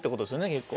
結構。